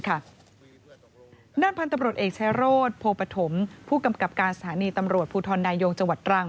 นั่นพันธุ์ประบบสถานีปุทธนายโยงจังหวัดตรัง